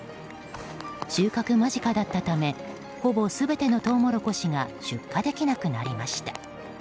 収穫間近だったためほぼ全てのトウモロコシが出荷できなくなりました。